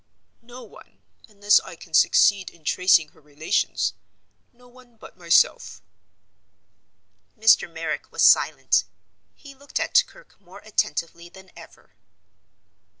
"No one—unless I can succeed in tracing her relations. No one but myself." Mr. Merrick was silent. He looked at Kirke more attentively than ever.